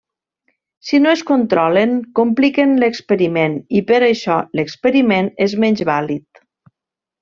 Si no es controlen, compliquen l'experiment i per això, l'experiment és menys vàlid.